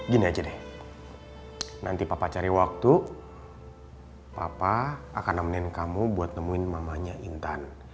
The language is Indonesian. gini aja deh nanti papa cari waktu papa akan nemenin kamu buat nemuin mamanya intan